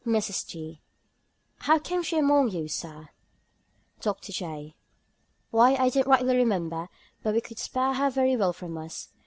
MRS. T. "How came she among you, Sir?" DR. J. "Why, I don't rightly remember, but we could spare her very well from us.